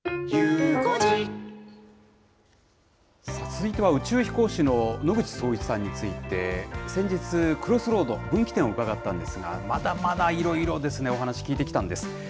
続いては宇宙飛行士の野口聡一さんについて、先日、クロスロード、分岐点を伺ったんですが、まだまだいろいろお話聞いてきたんです。